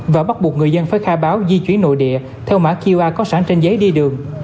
và bắt buộc người dân phải khai báo di chuyển nội địa theo mã qr có sẵn trên giấy đi đường